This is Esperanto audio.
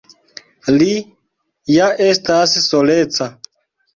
Li ja estas soleca.